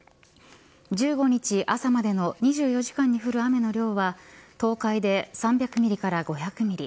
１５日朝までの２４時間に降る雨の量は東海で３００ミリから５００ミリ